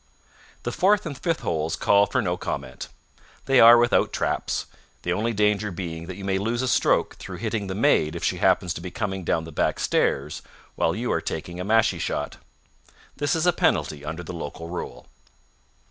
The fourth and fifth holes call for no comment. They are without traps, the only danger being that you may lose a stroke through hitting the maid if she happens to be coming down the back stairs while you are taking a mashie shot. This is a penalty under the local rule.